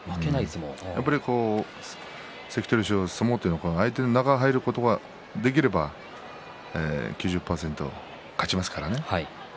やっぱり関取衆は相撲というのは中に入ることができれば９０％勝ちますからね。